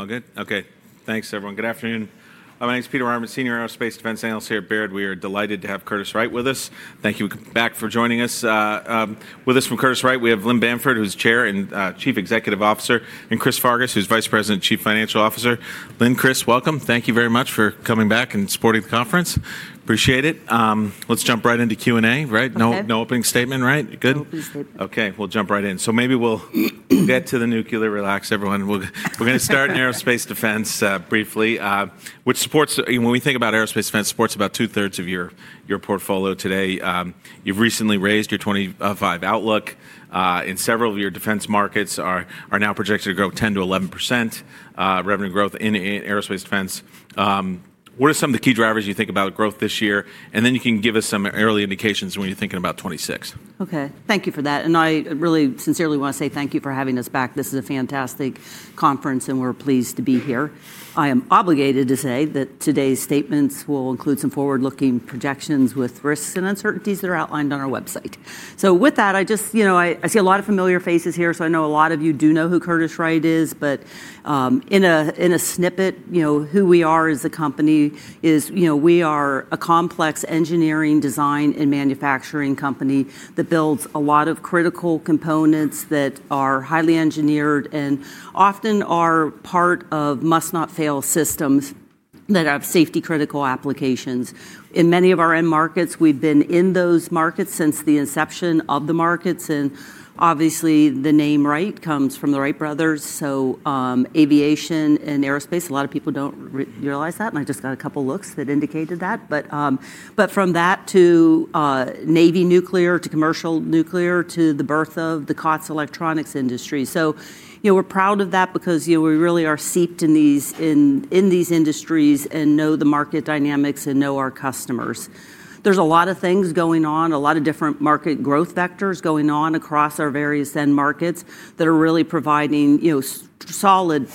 All good? Okay. Thanks, everyone. Good afternoon. My name is Peter Arment, Senior Aerospace Defense Analyst here at Baird. We are delighted to have Curtiss-Wright with us. Thank you back for joining us. With us from Curtiss-Wright, we have Lynn Bamford, who's Chair and Chief Executive Officer, and Chris Farkas, who's Vice President and Chief Financial Officer. Lynn, Chris, welcome. Thank you very much for coming back and supporting the conference. Appreciate it. Let's jump right into Q&A, right? No opening statement, right? Good? No opening statement. Okay. We'll jump right in. Maybe we'll get to the nuclear, relax, everyone. We're going to start in aerospace defense briefly, which supports—when we think about aerospace defense, it supports about two-thirds of your portfolio today. You've recently raised your 2025 outlook, and several of your defense markets are now projected to grow 10%-11% revenue growth in aerospace defense. What are some of the key drivers you think about growth this year? Then you can give us some early indications when you're thinking about 2026. Okay. Thank you for that. I really sincerely want to say thank you for having us back. This is a fantastic conference, and we're pleased to be here. I am obligated to say that today's statements will include some forward-looking projections with risks and uncertainties that are outlined on our website. With that, I just—you know, I see a lot of familiar faces here, so I know a lot of you do know who Curtiss-Wright is. In a snippet, you know who we are as a company is, you know, we are a complex engineering, design, and manufacturing company that builds a lot of critical components that are highly engineered and often are part of must-not-fail systems that have safety-critical applications. In many of our end markets, we've been in those markets since the inception of the markets. Obviously, the name Wright comes from the Wright brothers. Aviation and aerospace, a lot of people do not realize that. I just got a couple of looks that indicated that. From that to Navy nuclear, to commercial nuclear, to the birth of the COTS electronics industry. We are proud of that because we really are seeped in these industries and know the market dynamics and know our customers. There are a lot of things going on, a lot of different market growth vectors going on across our various end markets that are really providing solid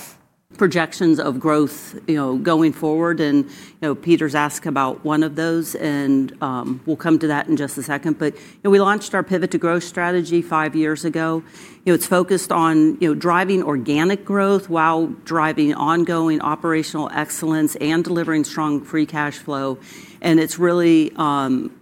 projections of growth going forward. Peter has asked about one of those, and we will come to that in just a second. We launched our pivot-to-growth strategy five years ago. It is focused on driving organic growth while driving ongoing operational excellence and delivering strong free cash flow. It has really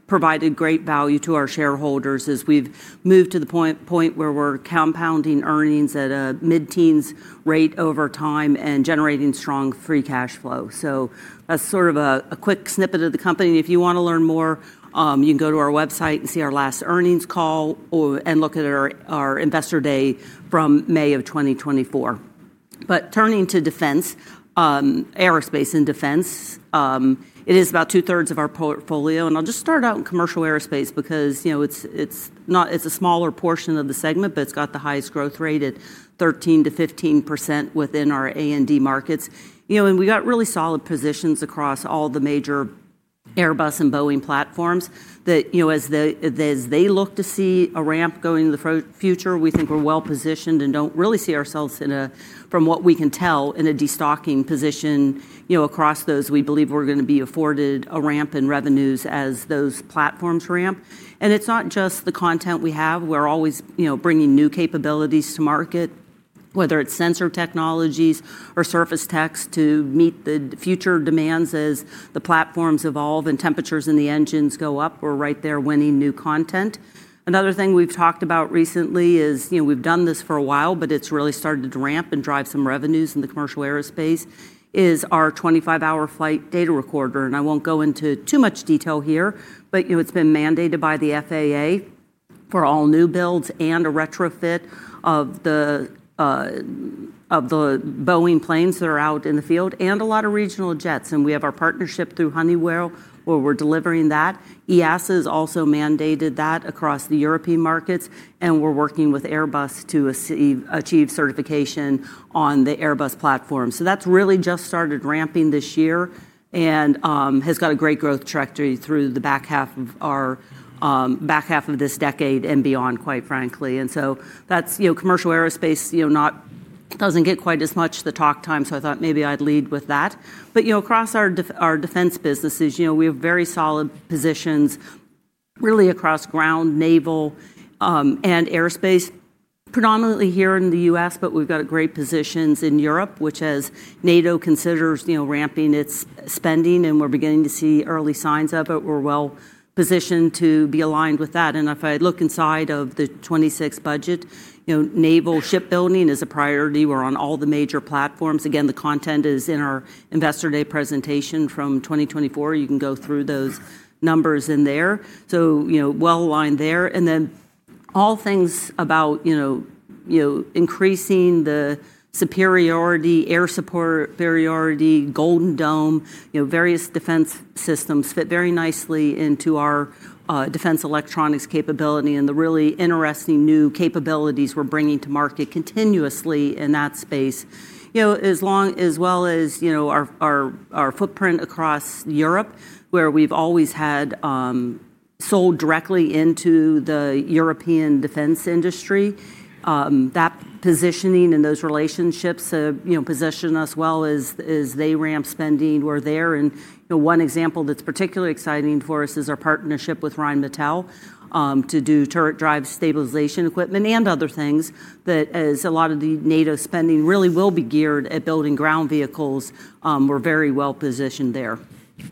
provided great value to our shareholders as we have moved to the point where we are compounding earnings at a mid-teens rate over time and generating strong free cash flow. That is sort of a quick snippet of the company. If you want to learn more, you can go to our website and see our last earnings call and look at our investor day from May of 2024. Turning to defense, aerospace and defense is about two-thirds of our portfolio. I will just start out in commercial aerospace because it is a smaller portion of the segment, but it has the highest growth rate at 13%-15% within our A&D markets. We have really solid positions across all the major Airbus and Boeing platforms that, as they look to see a ramp going into the future, we think we are well-positioned and do not really see ourselves in a, from what we can tell, in a destocking position across those. We believe we are going to be afforded a ramp in revenues as those platforms ramp. It is not just the content we have. We are always bringing new capabilities to market, whether it is sensor technologies or surface techs to meet the future demands as the platforms evolve and temperatures in the engines go up. We are right there winning new content. Another thing we have talked about recently is we have done this for a while, but it has really started to ramp and drive some revenues in the commercial aerospace is our 25-hour flight data recorder. I won't go into too much detail here, but it's been mandated by the FAA for all new builds and a retrofit of the Boeing planes that are out in the field and a lot of regional jets. We have our partnership through Honeywell, where we're delivering that. EASA has also mandated that across the European markets, and we're working with Airbus to achieve certification on the Airbus platform. That's really just started ramping this year and has got a great growth trajectory through the back half of this decade and beyond, quite frankly. Commercial aerospace doesn't get quite as much the talk time, so I thought maybe I'd lead with that. Across our defense businesses, we have very solid positions really across ground, naval, and aerospace, predominantly here in the U.S., but we've got great positions in Europe, which, as NATO considers ramping its spending, and we're beginning to see early signs of it, we're well-positioned to be aligned with that. If I look inside of the 2026 budget, naval shipbuilding is a priority. We're on all the major platforms. Again, the content is in our investor day presentation from 2024. You can go through those numbers in there. So well-aligned there. All things about increasing the superiority, air superiority, Golden Dome, various defense systems fit very nicely into our defense electronics capability and the really interesting new capabilities we're bringing to market continuously in that space, as well as our footprint across Europe, where we've always sold directly into the European defense industry. That positioning and those relationships position us well as they ramp spending. We're there. One example that's particularly exciting for us is our partnership with Rheinmetall to do turret drive stabilization equipment and other things that, as a lot of the NATO spending really will be geared at building ground vehicles. We're very well-positioned there.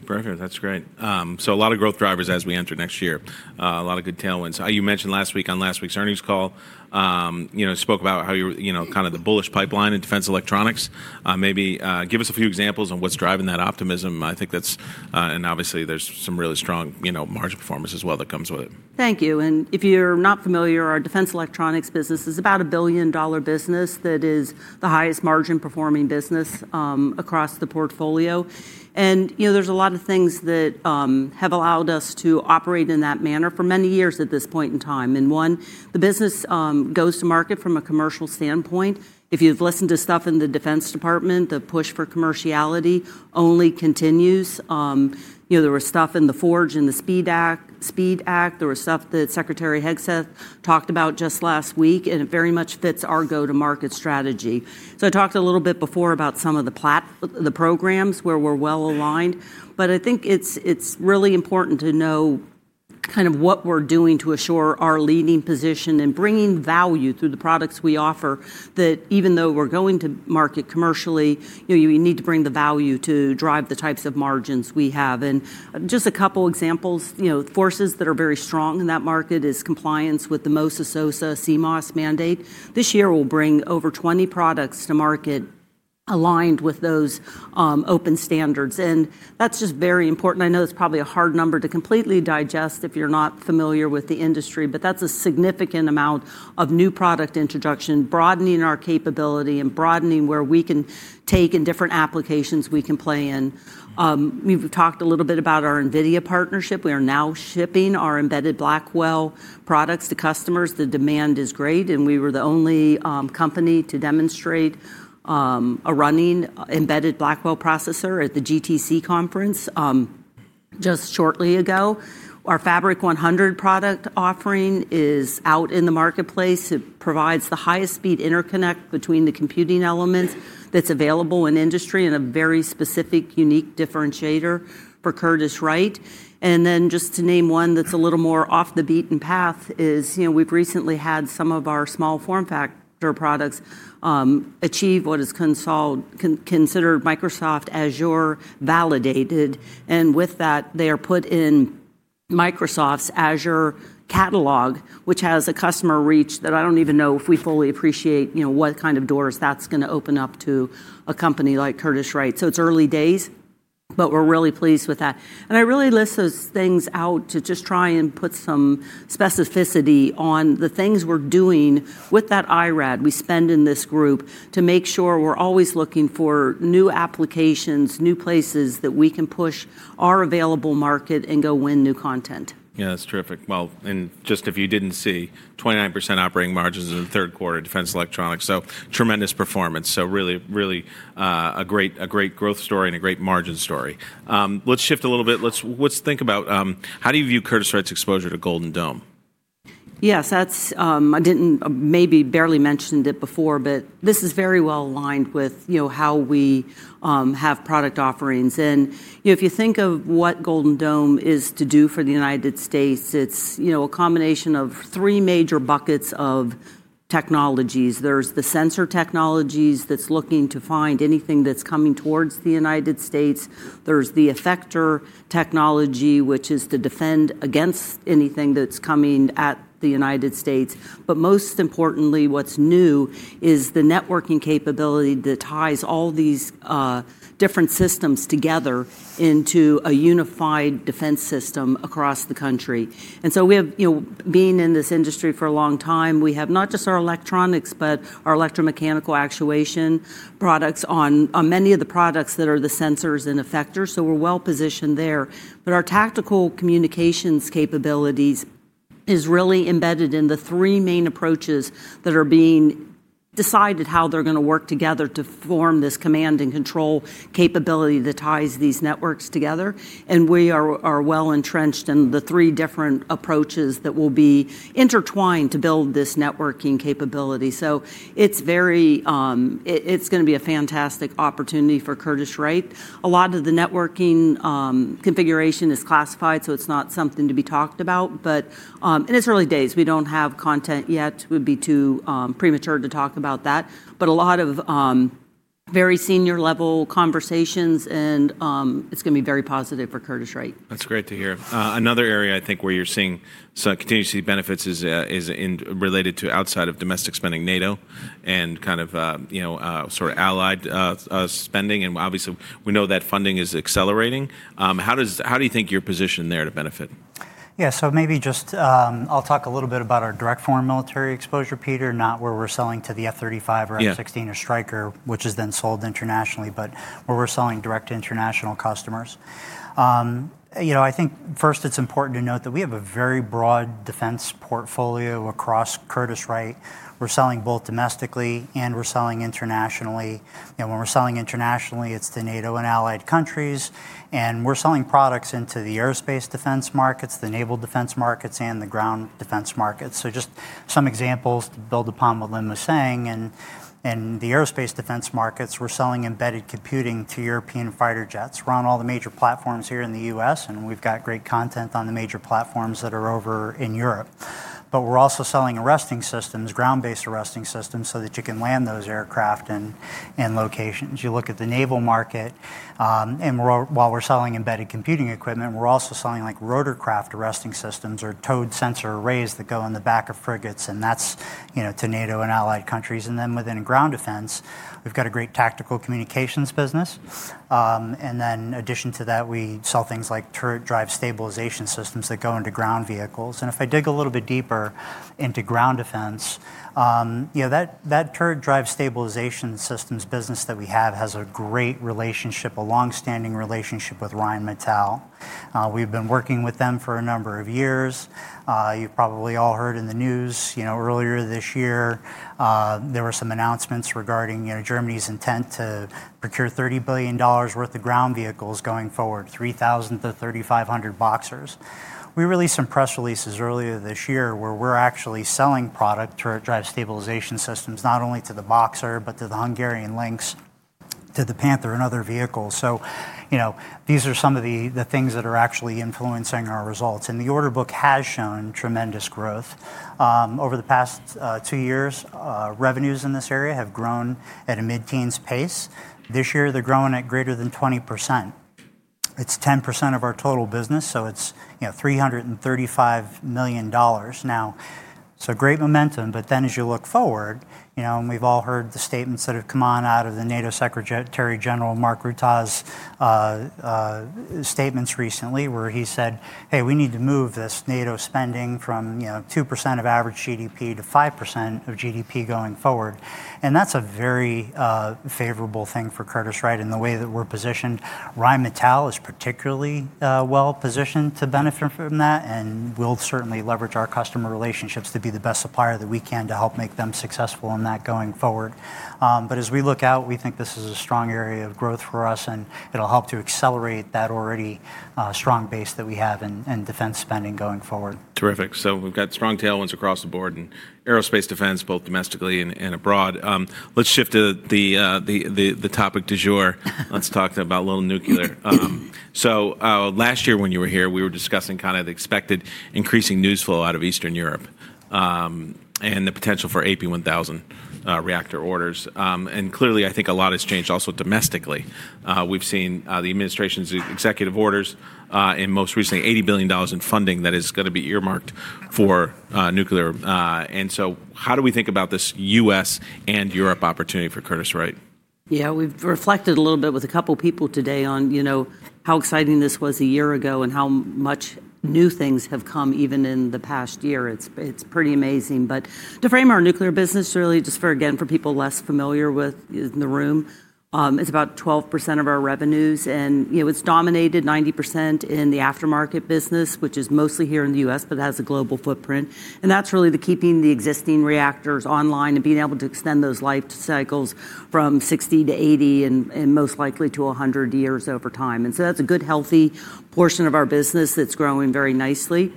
Perfect. That's great. A lot of growth drivers as we enter next year. A lot of good tailwinds. You mentioned last week on last week's earnings call, spoke about kind of the bullish pipeline in defense electronics. Maybe give us a few examples on what's driving that optimism. I think that's, and obviously there's some really strong margin performance as well that comes with it. Thank you. If you're not familiar, our defense electronics business is about a $1 billion business that is the highest margin performing business across the portfolio. There are a lot of things that have allowed us to operate in that manner for many years at this point in time. One, the business goes to market from a commercial standpoint. If you've listened to stuff in the Defense Department, the push for commerciality only continues. There was stuff in the FoRGED and the SPEED Act. There was stuff that Secretary Hegseth talked about just last week, and it very much fits our go-to-market strategy. I talked a little bit before about some of the programs where we're well-aligned. I think it's really important to know kind of what we're doing to assure our leading position and bringing value through the products we offer that, even though we're going to market commercially, we need to bring the value to drive the types of margins we have. Just a couple of examples, forces that are very strong in that market is compliance with the MOSA/SOSA CMOSS mandate. This year, we'll bring over 20 products to market aligned with those open standards. That's just very important. I know it's probably a hard number to completely digest if you're not familiar with the industry, but that's a significant amount of new product introduction, broadening our capability and broadening where we can take and different applications we can play in. We've talked a little bit about our NVIDIA partnership. We are now shipping our embedded Blackwell products to customers. The demand is great. We were the only company to demonstrate a running embedded Blackwell processor at the GTC conference just shortly ago. Our Fabric100 product offering is out in the marketplace. It provides the highest speed interconnect between the computing elements that is available in industry and a very specific, unique differentiator for Curtiss-Wright. Just to name one that is a little more off the beaten path, we have recently had some of our small form factor products achieve what is considered Microsoft Azure validated. With that, they are put in Microsoft's Azure catalog, which has a customer reach that I do not even know if we fully appreciate what kind of doors that is going to open up to a company like Curtiss-Wright. It is early days, but we are really pleased with that. I really list those things out to just try and put some specificity on the things we're doing with that IRAD we spend in this group to make sure we're always looking for new applications, new places that we can push our available market and go win new content. Yeah, that's terrific. If you did not see, 29% operating margins in the third quarter of defense electronics. Tremendous performance. Really, really a great growth story and a great margin story. Let's shift a little bit. Let's think about how do you view Curtiss-Wright's exposure to Golden Dome? Yes, I didn't maybe barely mention it before, but this is very well aligned with how we have product offerings. If you think of what Golden Dome is to do for the United States, it's a combination of three major buckets of technologies. There's the sensor technologies that's looking to find anything that's coming towards the United States. There's the effector technology, which is to defend against anything that's coming at the United States. Most importantly, what's new is the networking capability that ties all these different systems together into a unified defense system across the country. We have, being in this industry for a long time, not just our electronics, but our electromechanical actuation products on many of the products that are the sensors and effectors. We're well-positioned there. Our tactical communications capabilities is really embedded in the three main approaches that are being decided how they're going to work together to form this command and control capability that ties these networks together. We are well-entrenched in the three different approaches that will be intertwined to build this networking capability. It is going to be a fantastic opportunity for Curtiss-Wright. A lot of the networking configuration is classified, so it is not something to be talked about. It is early days. We do not have content yet. It would be too premature to talk about that. A lot of very senior-level conversations, and it is going to be very positive for Curtiss-Wright. That's great to hear. Another area, I think, where you're seeing continuous benefits is related to outside of domestic spending, NATO and kind of sort of allied spending. Obviously, we know that funding is accelerating. How do you think you're positioned there to benefit? Yeah, so maybe just I'll talk a little bit about our direct foreign military exposure, Peter, not where we're selling to the F-35 or F-16 or Stryker, which is then sold internationally, but where we're selling direct to international customers. I think first, it's important to note that we have a very broad defense portfolio across Curtiss-Wright. We're selling both domestically and we're selling internationally. When we're selling internationally, it's to NATO and allied countries. We're selling products into the aerospace defense markets, the naval defense markets, and the ground defense markets. Just some examples to build upon what Lynn was saying. In the aerospace defense markets, we're selling embedded computing to European fighter jets. We're on all the major platforms here in the U.S., and we've got great content on the major platforms that are over in Europe. We're also selling arresting systems, ground-based arresting systems, so that you can land those aircraft in locations. You look at the naval market, and while we're selling embedded computing equipment, we're also selling rotorcraft arresting systems or towed sensor arrays that go in the back of frigates, and that's to NATO and allied countries. Within ground defense, we've got a great tactical communications business. In addition to that, we sell things like turret drive stabilization systems that go into ground vehicles. If I dig a little bit deeper into ground defense, that turret drive stabilization systems business that we have has a great relationship, a long-standing relationship with Rheinmetall. We've been working with them for a number of years. You've probably all heard in the news earlier this year, there were some announcements regarding Germany's intent to procure $30 billion worth of ground vehicles going forward, 3,000-3,500 Boxers. We released some press releases earlier this year where we're actually selling product turret drive stabilization systems, not only to the Boxer, but to the Hungarian Lynx, to the Panther, and other vehicles. These are some of the things that are actually influencing our results. The order book has shown tremendous growth. Over the past two years, revenues in this area have grown at a mid-teens pace. This year, they're growing at greater than 20%. It's 10% of our total business, so it's $335 million. Now, it's a great momentum, but then as you look forward, and we've all heard the statements that have come on out of the NATO Secretary General, Mark Rutte's statements recently, where he said, "Hey, we need to move this NATO spending from 2% of average GDP to 5% of GDP going forward." And that's a very favorable thing for Curtiss-Wright in the way that we're positioned. Rheinmetall is particularly well-positioned to benefit from that and will certainly leverage our customer relationships to be the best supplier that we can to help make them successful in that going forward. But as we look out, we think this is a strong area of growth for us, and it'll help to accelerate that already strong base that we have in defense spending going forward. Terrific. We have got strong tailwinds across the board in aerospace defense, both domestically and abroad. Let's shift to the topic du jour. Let's talk about a little nuclear. Last year when you were here, we were discussing kind of the expected increasing news flow out of Eastern Europe and the potential for AP1000 reactor orders. Clearly, I think a lot has changed also domestically. We have seen the administration's executive orders and most recently $80 billion in funding that is going to be earmarked for nuclear. How do we think about this U.S. and Europe opportunity for Curtiss-Wright? Yeah, we've reflected a little bit with a couple of people today on how exciting this was a year ago and how much new things have come even in the past year. It's pretty amazing. To frame our nuclear business, really just for, again, for people less familiar with in the room, it's about 12% of our revenues. It's dominated 90% in the aftermarket business, which is mostly here in the U.S., but it has a global footprint. That's really the keeping the existing reactors online and being able to extend those life cycles from 60-80 and most likely to 100 years over time. That's a good, healthy portion of our business that's growing very nicely.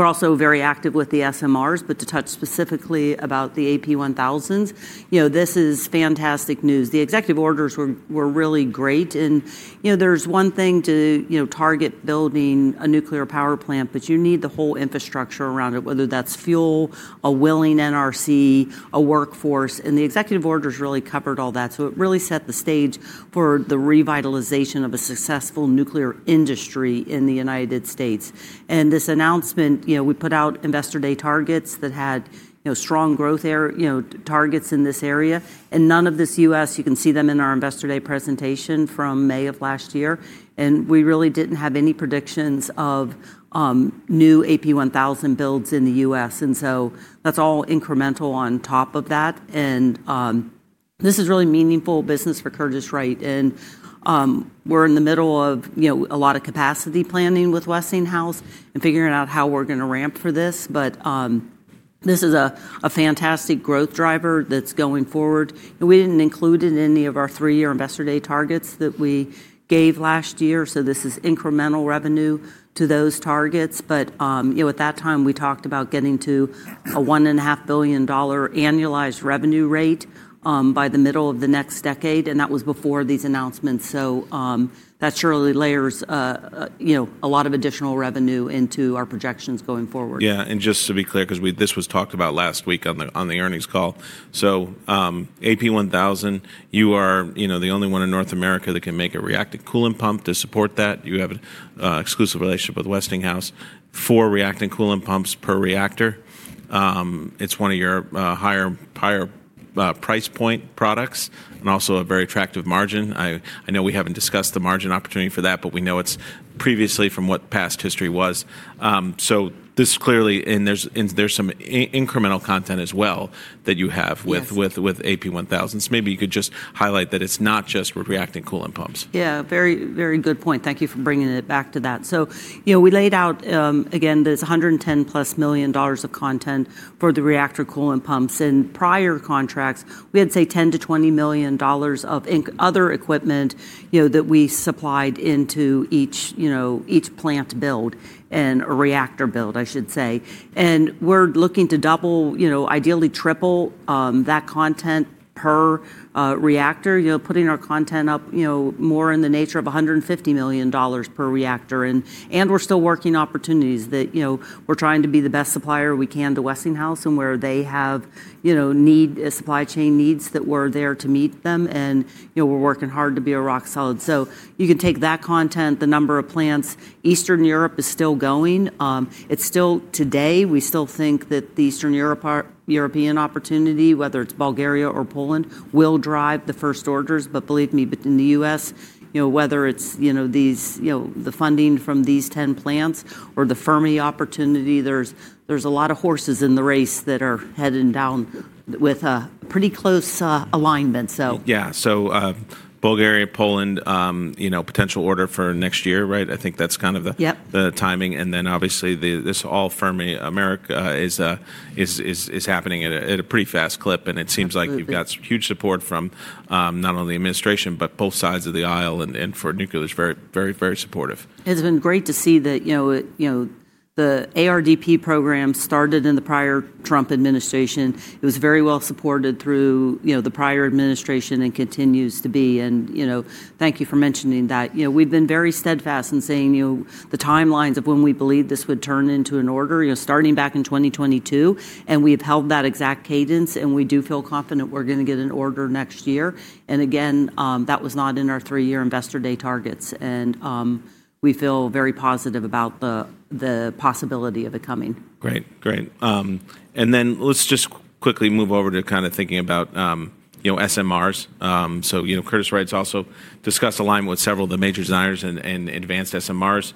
We're also very active with the SMRs, but to touch specifically about the AP1000 s, this is fantastic news. The executive orders were really great. There is one thing to target building a nuclear power plant, but you need the whole infrastructure around it, whether that is fuel, a willing NRC, a workforce. The executive orders really covered all that. It really set the stage for the revitalization of a successful nuclear industry in the United States. This announcement, we put out investor day targets that had strong growth targets in this area. You can see them in our investor day presentation from May of last year. We really did not have any predictions of new AP1000 builds in the United States. That is all incremental on top of that. This is really meaningful business for Curtiss-Wright. We are in the middle of a lot of capacity planning with Westinghouse and figuring out how we are going to ramp for this. This is a fantastic growth driver that is going forward. We did not include it in any of our three-year investor day targets that we gave last year. This is incremental revenue to those targets. At that time, we talked about getting to a $1.5 billion annualized revenue rate by the middle of the next decade. That was before these announcements. That surely layers a lot of additional revenue into our projections going forward. Yeah. And just to be clear, because this was talked about last week on the earnings call. So AP1000, you are the only one in North America that can make a reactor coolant pump to support that. You have an exclusive relationship with Westinghouse for reactor coolant pumps per reactor. It's one of your higher price point products and also a very attractive margin. I know we haven't discussed the margin opportunity for that, but we know it's previously from what past history was. So this clearly, and there's some incremental content as well that you have with AP1000 s. Maybe you could just highlight that it's not just reactor coolant pumps. Yeah, very, very good point. Thank you for bringing it back to that. We laid out, again, there's $110 million-plus of content for the reactor coolant pumps. In prior contracts, we had, say, $10 million-$20 million of other equipment that we supplied into each plant build and reactor build, I should say. We're looking to double, ideally triple that content per reactor, putting our content up more in the nature of $150 million per reactor. We're still working opportunities that we're trying to be the best supplier we can to Westinghouse and where they have supply chain needs that we're there to meet them. We're working hard to be a rock solid. You can take that content, the number of plants. Eastern Europe is still going. It's still today, we still think that the Eastern European opportunity, whether it's Bulgaria or Poland, will drive the first orders. Believe me, in the U.S., whether it's the funding from these 10 plants or the Fermi opportunity, there's a lot of horses in the race that are heading down with a pretty close alignment, so. Yeah. Bulgaria, Poland, potential order for next year, right? I think that's kind of the timing. Obviously, this whole Fermi America is happening at a pretty fast clip. It seems like you've got huge support from not only the administration, but both sides of the aisle, and for nuclear is very, very, very supportive. It's been great to see that the ARDP program started in the prior Trump administration. It was very well supported through the prior administration and continues to be. Thank you for mentioning that. We've been very steadfast in saying the timelines of when we believe this would turn into an order starting back in 2022. We have held that exact cadence. We do feel confident we're going to get an order next year. That was not in our three-year investor day targets. We feel very positive about the possibility of it coming. Great, great. Let's just quickly move over to kind of thinking about SMRs. Curtiss-Wright's also discussed alignment with several of the major designers and advanced SMRs.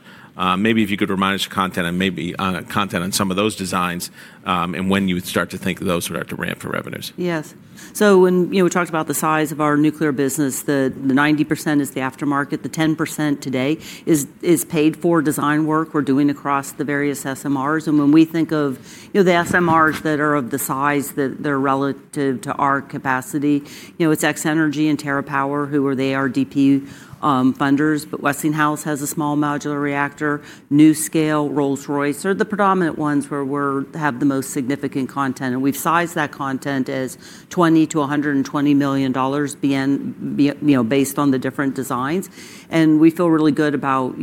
Maybe if you could remind us of content on some of those designs and when you would start to think those would have to ramp for revenues. Yes. When we talked about the size of our nuclear business, the 90% is the aftermarket. The 10% today is paid for design work we're doing across the various SMRs. When we think of the SMRs that are of the size that they're relative to our capacity, it's X-Energy and TerraPower, who are the ARDP funders. Westinghouse has a small modular reactor. NuScale, Rolls-Royce are the predominant ones where we have the most significant content. We've sized that content as $20 million-$120 million based on the different designs. We feel really good about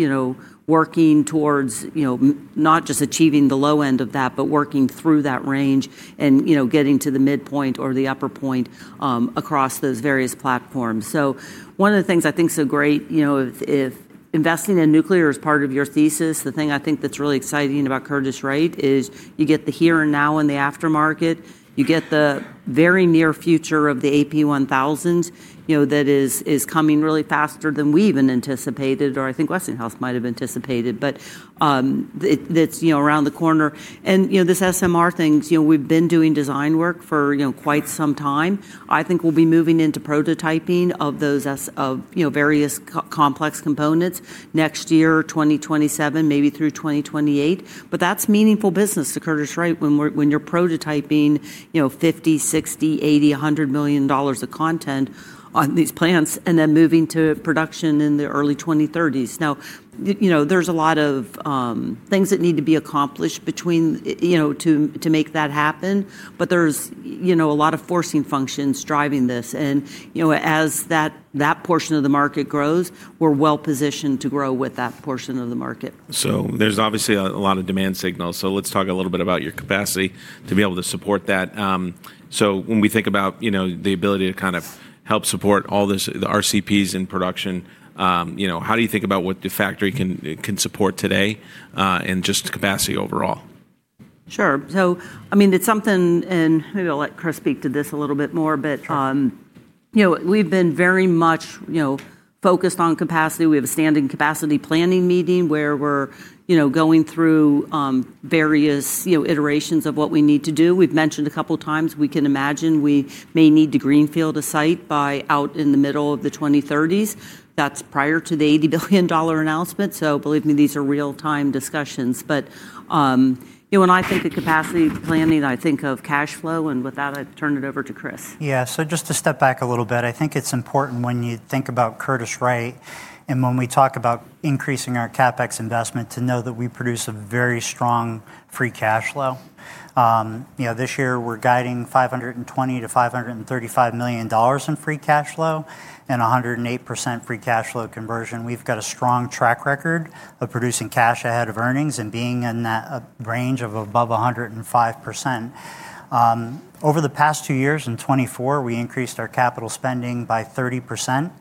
working towards not just achieving the low end of that, but working through that range and getting to the midpoint or the upper point across those various platforms. One of the things I think is so great, if investing in nuclear is part of your thesis, the thing I think that's really exciting about Curtiss-Wright is you get the here and now in the aftermarket. You get the very near future of the AP1000 s that is coming really faster than we even anticipated, or I think Westinghouse might have anticipated, but that's around the corner. This SMR thing, we've been doing design work for quite some time. I think we'll be moving into prototyping of those various complex components next year, 2027, maybe through 2028. That's meaningful business to Curtiss-Wright when you're prototyping $50 million, $60 million, $80 million, $100 million of content on these plants and then moving to production in the early 2030s. Now, there are a lot of things that need to be accomplished to make that happen, but there are a lot of forcing functions driving this. As that portion of the market grows, we are well-positioned to grow with that portion of the market. There's obviously a lot of demand signals. Let's talk a little bit about your capacity to be able to support that. When we think about the ability to kind of help support all the RCPs in production, how do you think about what the factory can support today and just capacity overall? Sure. I mean, it's something, and maybe I'll let Curtiss speak to this a little bit more, but we've been very much focused on capacity. We have a standing capacity planning meeting where we're going through various iterations of what we need to do. We've mentioned a couple of times we can imagine we may need to greenfield a site by out in the middle of the 2030s. That's prior to the $80 billion announcement. Believe me, these are real-time discussions. When I think of capacity planning, I think of cash flow. With that, I turn it over to Curtiss. Yeah. So just to step back a little bit, I think it's important when you think about Curtiss-Wright and when we talk about increasing our CapEx investment to know that we produce a very strong free cash flow. This year, we're guiding $520 million-$535 million in free cash flow and 108% free cash flow conversion. We've got a strong track record of producing cash ahead of earnings and being in that range of above 105%. Over the past two years in 2024, we increased our capital spending by 30%.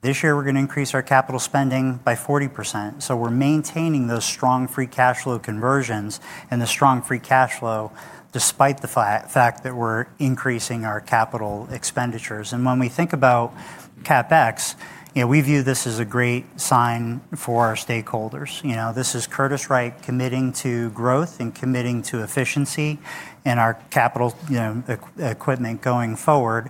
This year, we're going to increase our capital spending by 40%. We're maintaining those strong free cash flow conversions and the strong free cash flow despite the fact that we're increasing our capital expenditures. When we think about CapEx, we view this as a great sign for our stakeholders. This is Curtiss-Wright committing to growth and committing to efficiency in our capital equipment going forward.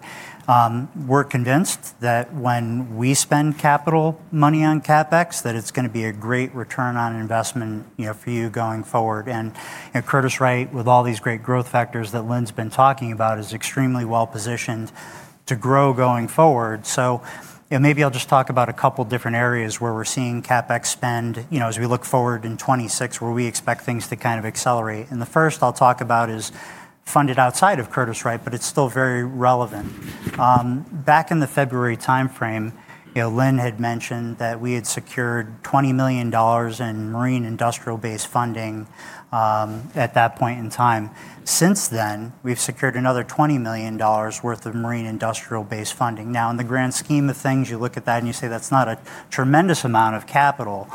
We're convinced that when we spend capital money on CapEx, that it's going to be a great return on investment for you going forward. Curtiss-Wright, with all these great growth factors that Lynn's been talking about, is extremely well-positioned to grow going forward. Maybe I'll just talk about a couple of different areas where we're seeing CapEx spend as we look forward in 2026, where we expect things to kind of accelerate. The first I'll talk about is funded outside of Curtiss-Wright, but it's still very relevant. Back in the February timeframe, Lynn had mentioned that we had secured $20 million in marine industrial-based funding at that point in time. Since then, we've secured another $20 million worth of marine industrial-based funding. Now, in the grand scheme of things, you look at that and you say that's not a tremendous amount of capital.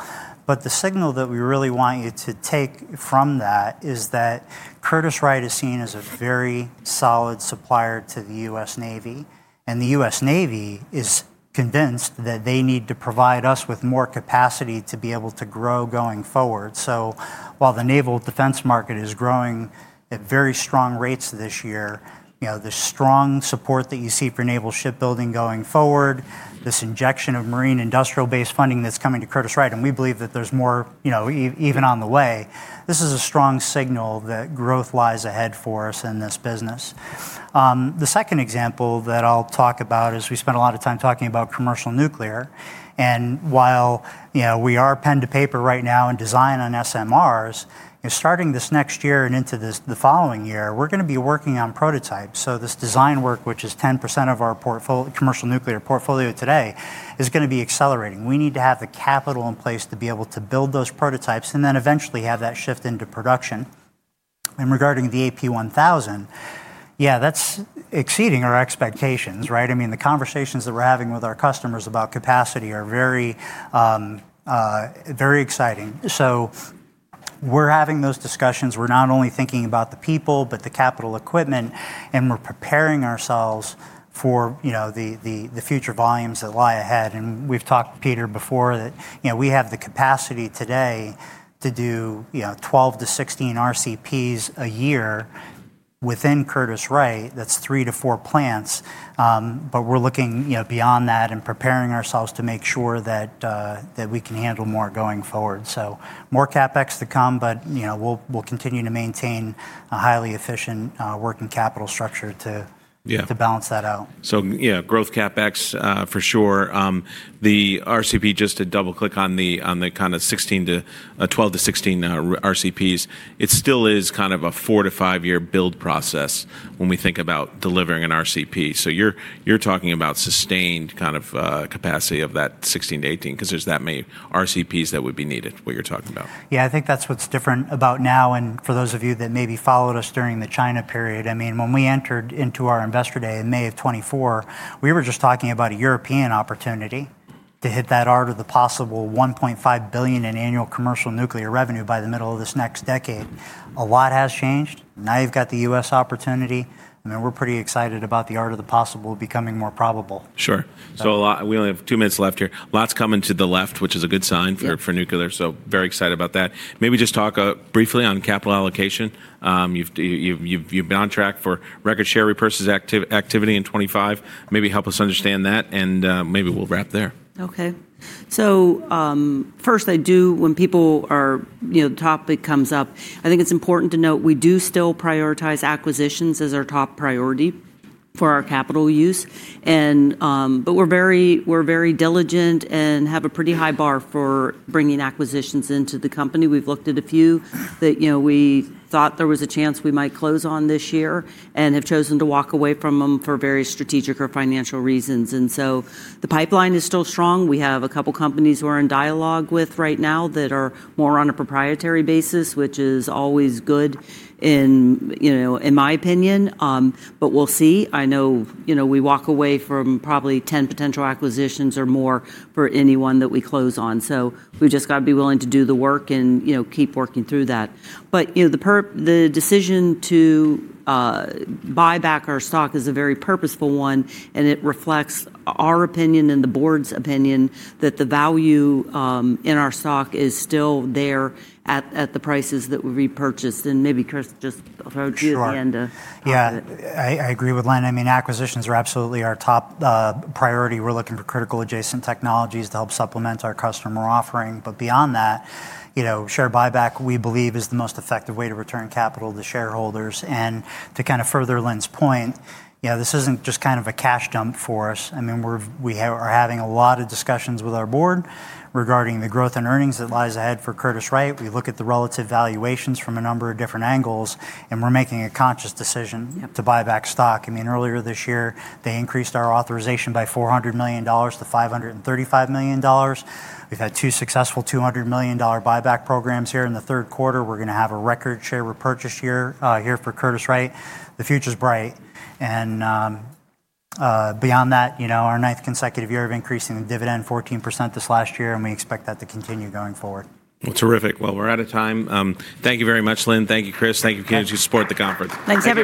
The signal that we really want you to take from that is that Curtiss-Wright is seen as a very solid supplier to the U.S. Navy. The U.S. Navy is convinced that they need to provide us with more capacity to be able to grow going forward. While the naval defense market is growing at very strong rates this year, the strong support that you see for naval shipbuilding going forward, this injection of marine industrial-based funding that's coming to Curtiss-Wright, and we believe that there's more even on the way, this is a strong signal that growth lies ahead for us in this business. The second example that I'll talk about is we spent a lot of time talking about commercial nuclear. While we are pen to paper right now and design on SMRs, starting this next year and into the following year, we're going to be working on prototypes. This design work, which is 10% of our commercial nuclear portfolio today, is going to be accelerating. We need to have the capital in place to be able to build those prototypes and then eventually have that shift into production. Regarding the AP1000, yeah, that's exceeding our expectations, right? I mean, the conversations that we're having with our customers about capacity are very exciting. We're having those discussions. We're not only thinking about the people, but the capital equipment, and we're preparing ourselves for the future volumes that lie ahead. We've talked to Peter before that we have the capacity today to do 12-16 RCPs a year within Curtiss-Wright. That's three to four plants. We are looking beyond that and preparing ourselves to make sure that we can handle more going forward. More CapEx to come, but we will continue to maintain a highly efficient working capital structure to balance that out. Yeah, growth CapEx for sure. The RCP, just to double-click on the kind of 12-16 RCPs, it still is kind of a four- to five-year build process when we think about delivering an RCP. You're talking about sustained kind of capacity of that 16-18 because there's that many RCPs that would be needed, what you're talking about. Yeah, I think that's what's different about now. For those of you that maybe followed us during the China period, I mean, when we entered into our investor day in May of 2024, we were just talking about a European opportunity to hit that art of the possible $1.5 billion in annual commercial nuclear revenue by the middle of this next decade. A lot has changed. Now you've got the U.S. opportunity. I mean, we're pretty excited about the art of the possible becoming more probable. Sure. So we only have two minutes left here. Lots coming to the left, which is a good sign for nuclear. So very excited about that. Maybe just talk briefly on capital allocation. You've been on track for record share repurchase activity in 2025. Maybe help us understand that, and maybe we'll wrap there. Okay. First, I do, when people or the topic comes up, I think it's important to note we do still prioritize acquisitions as our top priority for our capital use. We are very diligent and have a pretty high bar for bringing acquisitions into the company. We've looked at a few that we thought there was a chance we might close on this year and have chosen to walk away from them for various strategic or financial reasons. The pipeline is still strong. We have a couple of companies we're in dialogue with right now that are more on a proprietary basis, which is always good in my opinion. We'll see. I know we walk away from probably 10 potential acquisitions or more for every one that we close on. We've just got to be willing to do the work and keep working through that. The decision to buy back our stock is a very purposeful one. It reflects our opinion and the board's opinion that the value in our stock is still there at the prices that we repurchased. Maybe, Curtiss, just throw to you the end of. Yeah. I agree with Lynn. I mean, acquisitions are absolutely our top priority. We're looking for critical adjacent technologies to help supplement our customer offering. Beyond that, share buyback, we believe, is the most effective way to return capital to shareholders. To kind of further Lynn's point, this isn't just kind of a cash dump for us. I mean, we are having a lot of discussions with our board regarding the growth and earnings that lies ahead for Curtiss-Wright. We look at the relative valuations from a number of different angles, and we're making a conscious decision to buy back stock. I mean, earlier this year, they increased our authorization by $400 million-$535 million. We've had two successful $200 million buyback programs here in the third quarter. We're going to have a record share repurchase year here for Curtiss-Wright. The future's bright. Beyond that, our ninth consecutive year of increasing the dividend, 14% this last year. We expect that to continue going forward. Terrific. We are out of time. Thank you very much, Lynn. Thank you, Curtiss. Thank you for getting to support the conference. Thanks everyone.